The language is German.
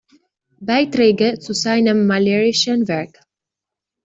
Beiträge zu seinem malerischen Werk“".